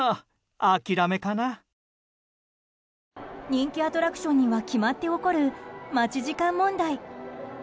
人気アトラクションには決まって起こる待ち時間問題。